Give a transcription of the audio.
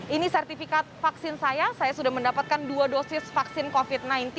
ini sertifikat vaksin saya saya sudah mendapatkan dua dosis vaksin covid sembilan belas